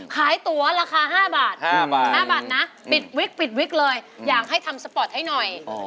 ขายตัวราคา๕บาทนะปิดวิกเลยอยากให้ทำสปอร์ตให้หน่อย